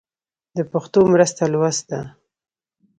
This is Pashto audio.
د پښتو مرسته لوست ده.